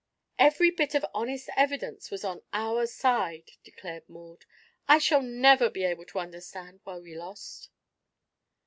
"Every bit of honest evidence was on our side," declared Maud. "I shall never be able to understand why we lost."